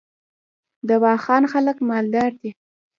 د واخان خلک مالدار دي